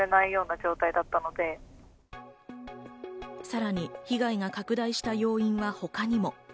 さらに被害が拡大した要因は他にも。